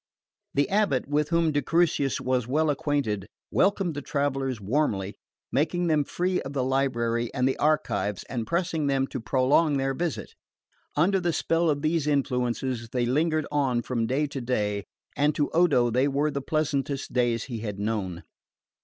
The abbot, with whom de Crucis was well acquainted, welcomed the travellers warmly, making them free of the library and the archives and pressing them to prolong their visit. Under the spell of these influences they lingered on from day to day; and to Odo they were the pleasantest days he had known.